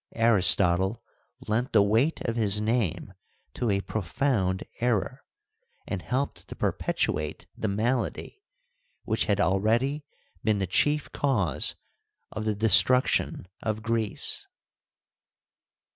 Aristotle lent the weight of his name to a profound error, and helped to per petuate the malady which had already been the chief cause of the destruction of Greece.